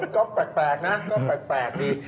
ก็แปลกนะก็แปลกดี